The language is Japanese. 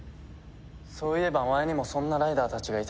そういえば前にもそんなライダーたちがいたな。